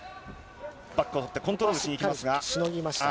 バックを取ってコントロールしにしのぎました。